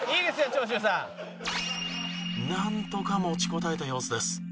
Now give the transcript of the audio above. なんとか持ちこたえた様子です。